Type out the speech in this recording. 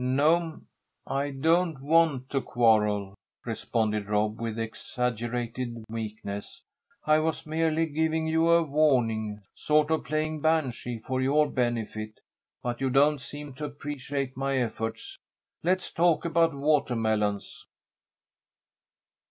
"No'm! I don't want to quarrel," responded Rob, with exaggerated meekness. "I was merely giving you a warning sort of playing Banshee for your benefit, but you don't seem to appreciate my efforts. Let's talk about watermelons."